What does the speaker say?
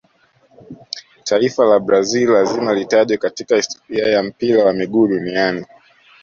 taifa la brazili lazima litajwe katika historia ya mpira wa miguu duniani